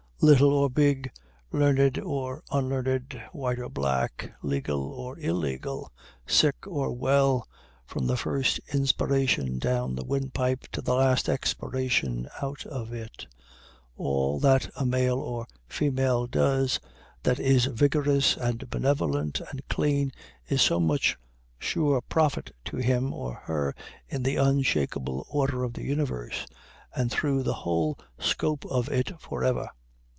Little or big, learn'd or unlearn'd, white or black, legal or illegal, sick or well, from the first inspiration down the windpipe to the last expiration out of it, all that a male or female does that is vigorous and benevolent and clean is so much sure profit to him or her in the unshakable order of the universe, and through the whole scope of it forever.